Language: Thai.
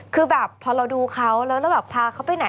คือแบบพอเราดูเขาแล้วเราแบบพาเขาไปไหน